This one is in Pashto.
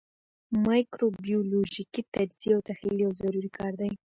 مایکروبیولوژیکي تجزیه او تحلیل یو ضروري کار دی.